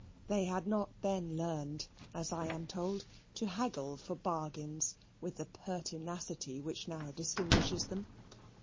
They had not then learned, as I am told, to haggle for bargains with the pertinacity which now distinguishes them.